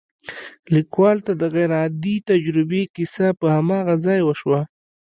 ليکوال ته د غير عادي تجربې کيسه په هماغه ځای وشوه.